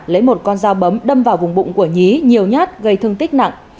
lấy một con dao bấm đâm vào vùng bụng của nhí nhiều nhát gây thương tích nặng